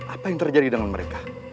apa yang terjadi dalam mereka